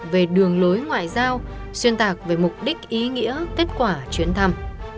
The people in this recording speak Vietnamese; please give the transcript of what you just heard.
về đường lối ngoại giao xuyên tạc về mục đích ý nghĩa kết quả chuyến thăm